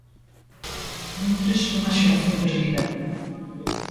Mentres, unha xeración perdida.